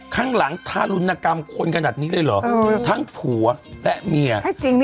ข้างหลังทารุณกรรมคนขนาดนี้เลยเหรอทั้งผัวและเมีย